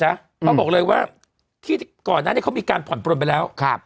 เขาบอกเลยว่าที่ก่อนนั้นเขามีการผ่อนปลนไปแล้ว